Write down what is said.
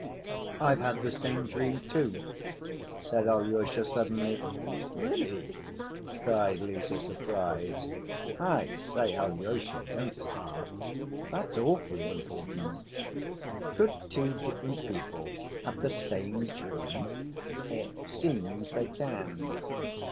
"I've had the same dream, too," said Alyosha suddenly. "Really?" cried Lise, surprised. "I say, Alyosha, don't laugh, that's awfully important. Could two different people have the same dream?" "It seems they can."